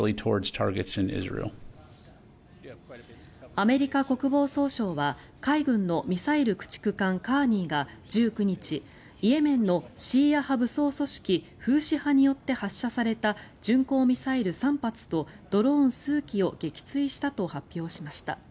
アメリカ国防総省は海軍のミサイル駆逐艦「カーニー」が１９日イエメンのシーア派武装組織フーシ派によって発射された巡航ミサイル３発とドローン数機を撃墜したと発表しました。